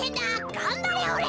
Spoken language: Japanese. がんばれおれ！」